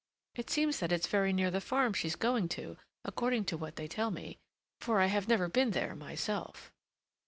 It seems that it's very near the farm she's going to, according to what they tell me; for I have never been there myself."